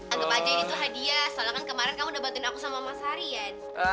anggap aja ini tuh hadiah soalnya kan kemarin kamu udah bantuin aku sama mas harian